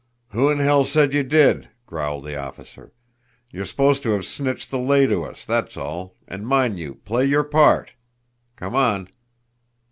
"Who in hell said you did!" growled the officer. "You're supposed to have snitched the lay to us, that's all and mind you play your part! Come on!"